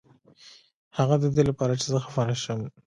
هغه ددې لپاره چې زه خفه نشم.